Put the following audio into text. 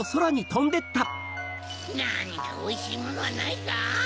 なにかおいしいものはないか？